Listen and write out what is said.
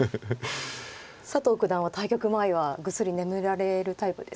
佐藤九段は対局前はぐっすり眠られるタイプですか？